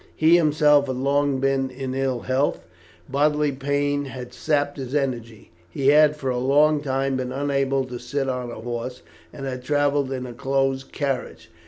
He himself had long been in ill health; bodily pain had sapped his energy. He had for a long time been unable to sit on a horse, and had travelled in a close carriage.